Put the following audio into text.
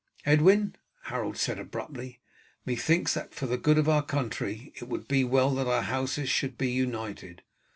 "Edwin," Harold said abruptly, "methinks that for the good of our country it would be well that our houses should be united.